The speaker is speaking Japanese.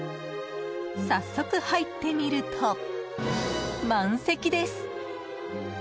早速、入ってみると満席です。